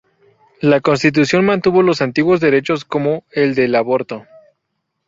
La constitución mantuvo los antiguos derechos como el del aborto.